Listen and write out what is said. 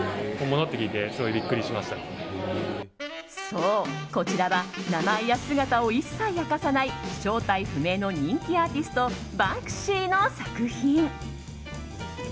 そう、こちらは名前や姿を一切明かさない正体不明の人気アーティストバンクシーの作品。